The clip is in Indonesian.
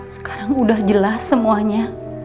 sekarang udah jelas semuanya